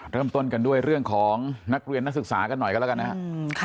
เริ่มต้นกันด้วยเรื่องของนักเรียนนักศึกษากันหน่อยกันแล้วกันนะครับ